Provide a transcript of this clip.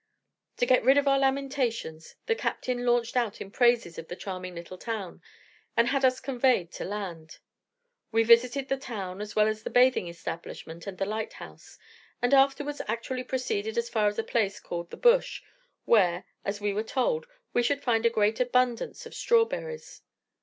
To get rid of our lamentations, the captain launched out in praises of the charming little town, and had us conveyed to land. We visited the town, as well as the bathing establishment and the lighthouse, and afterwards actually proceeded as far as a place called the "Bush," where, as we were told, we should find a great abundance of strawberries.